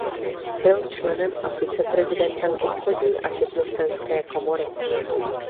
Byl členem a viceprezidentem obchodní a živnostenské komory.